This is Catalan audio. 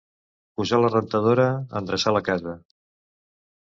Posar la rentadora, endreçar la casa.